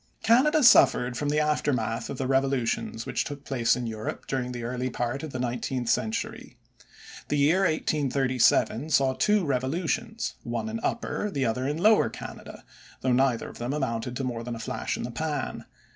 Canada suffered from the aftermath of the revolutions which took place in Europe during the early part of the nineteenth century. The year 1837 saw two revolutions, one in Upper, the other in Lower, Canada, though neither of them amounted to more than a flash in the pan.